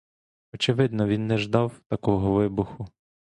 Очевидно, він не ждав такого вибуху.